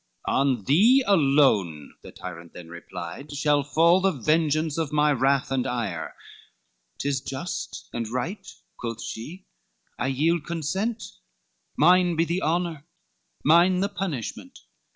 "On thee alone," the tyrant then replied, "Shall fall the vengeance of my wrath and ire." "'Tis just and right," quoth she, "I yield consent, Mine be the honor, mine the punishment."